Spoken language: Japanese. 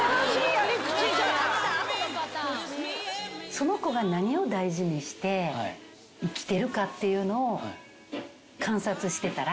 その子が何を大事にして生きてるかっていうのを観察してたら。